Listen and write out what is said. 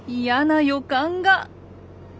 嫌な予感が。